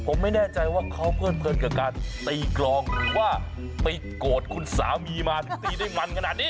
ผมไม่แน่ใจว่าเขาเพลินกับการตีกลองหรือว่าไปโกรธคุณสามีมาถึงตีได้มันขนาดนี้